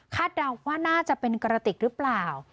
เดาว่าน่าจะเป็นกระติกหรือเปล่า